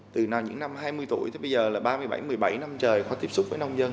từ những năm hai mươi tuổi tới bây giờ là ba mươi bảy một mươi bảy năm trời khoa tiếp xúc với nông dân